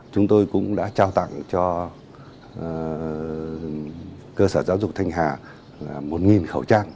chúng tôi cũng đã trao tặng cho cơ sở giáo dục thanh hà là một khẩu trang